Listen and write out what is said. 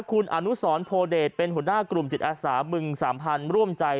คุณอนุสรโพเดชเป็นหัวหน้ากลุ่มจิตอาสาบึงสามพันธุ์ร่วมใจ